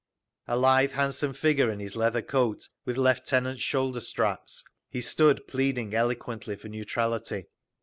_ A lithe, handsome figure in his leather coat with lieutenant's shoulder straps, he stood pleading eloquently for neutrality.